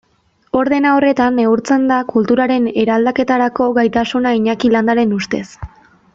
Ordena horretan neurtzen da kulturaren eraldaketarako gaitasuna Iñaki Landaren ustez.